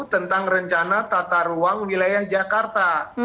tentang rencana tata ruang wilayah jakarta